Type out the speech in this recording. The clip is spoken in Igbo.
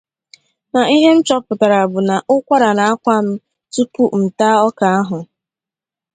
Ma ihe m chọpụtara bụ na ụkwara na-akwa m tupu m taa ọka ahụ